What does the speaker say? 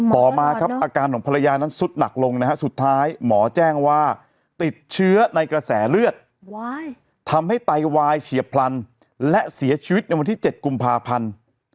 ต่อมาครับอาการของภรรยานั้นสุดหนักลงนะฮะสุดท้ายหมอแจ้งว่าติดเชื้อในกระแสเลือดทำให้ไตวายเฉียบพลันและเสียชีวิตในวันที่๗กุมภาพันธ์